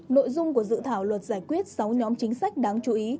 nội dung của dự thảo luật giải quyết sáu nhóm chính sách đáng chú ý